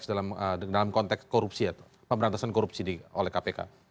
dalam konteks korupsi atau pemberantasan korupsi oleh kpk